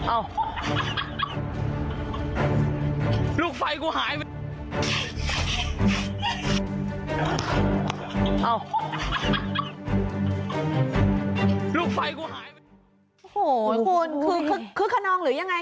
โอ้โหคุณคือคึกขนองหรือยังไง